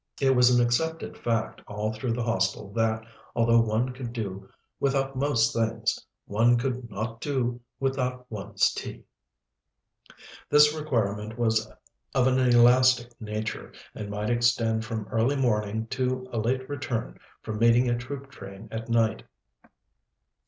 It was an accepted fact all through the Hostel that, although one could do without most things, one could not do without one's tea. This requirement was of an elastic nature, and might extend from early morning to a late return from meeting a troop train at night.